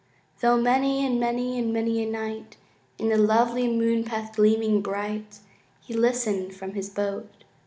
Tho' many, and many, and many a night In the lovely moonpath gleaming bright He listened from his boat.